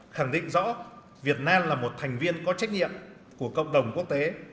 khẳng định rõ việt nam là một thành viên có trách nhiệm của cộng đồng quốc tế